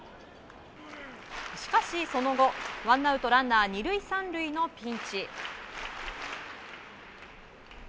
しかしその後ワンアウトランナー２塁３塁のピンチ。